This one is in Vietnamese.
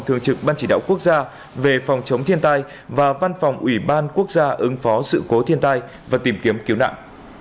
thường trực ban chỉ đạo quốc gia về phòng chống thiên tai và văn phòng ủy ban quốc gia ứng phó sự cố thiên tai và tìm kiếm cứu nạn